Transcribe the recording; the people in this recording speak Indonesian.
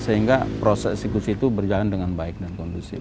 sehingga proses eksekusi itu berjalan dengan baik dan kondusif